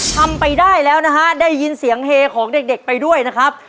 ทำไปได้แล้วนะฮะได้ยินเสียงเฮของเด็กไปด้วยนะครับ